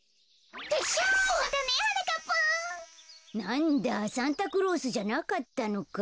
なんだサンタクロースじゃなかったのか。